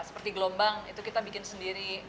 seperti gelombang itu kita bikin sendiri